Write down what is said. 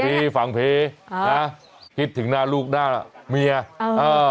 ฝั่งผีฝั่งผีนะคิดถึงลูกหน้ามีอ่ะ